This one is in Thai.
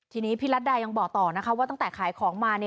ทีนี้พี่รัฐดายังบอกต่อนะคะว่าตั้งแต่ขายของมา